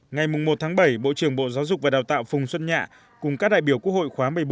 ngày một tháng bảy bộ trưởng bộ giáo dục và đào tạo phùng xuân nhạ cùng các đại biểu quốc hội khóa một mươi bốn